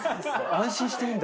安心していいんだ。